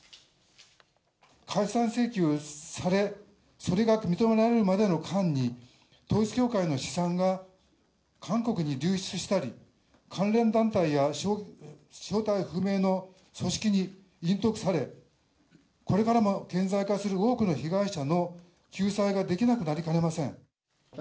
解散請求され、それが認められるまでの間に、統一教会の資産が韓国に流出したり、関連団体や正体不明の組織に隠匿され、これからも顕在化する多くの被害者の救済ができなくなりかねません。